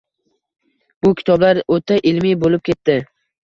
Bu, kitoblar o‘ta ilmiy bo‘lib ketdi